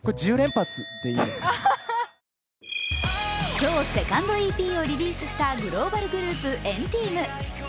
今日、セカンドＥＰをリリースしたグローバルグループ、＆ＴＥＡＭ。